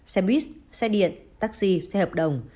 xe buýt xe điện taxi xe hợp đồng